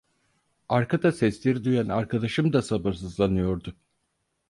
Arkada sesleri duyan arkadaşım da sabırsızlanıyordu.